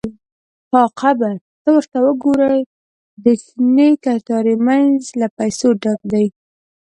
– ها قبر! ته ورته وګوره، د شنې کتارې مینځ له پیسو ډک دی.